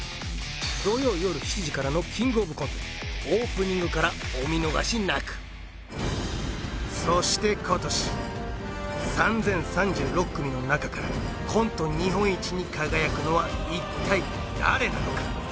土曜よる７時からのキングオブコントそして今年３０３６組の中からコント日本一に輝くのは一体誰なのか？